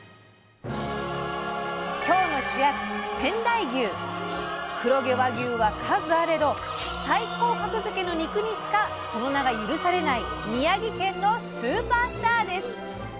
今日の主役黒毛和牛は数あれど最高格付けの肉にしかその名が許されない宮城県のスーパースターです。